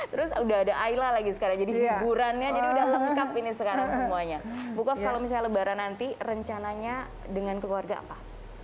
terus udah ada aila lagi sekarang jadi hiburannya jadi udah lengkap ini sekarang semuanya bukov kalau misalnya lebaran nanti rencananya dengan keluarga apa